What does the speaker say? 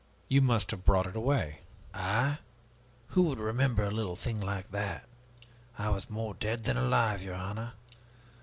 You must have brought it away." "I? Who would remember a little thing like that? I was more dead than alive, your honor.